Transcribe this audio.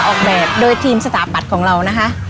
ออกแบบโดยทีมสถาปัตย์ของเรานะคะ